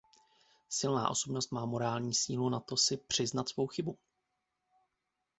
Silná osobnost má morální sílu na to si přiznat svou chybu.